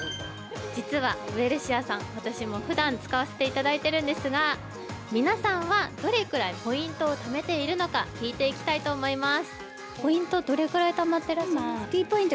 実はウエルシアさん、私もふだん使わせていただいているんですが、皆さんはどれぐらいポイントをためているのか聞いていきたいと思います。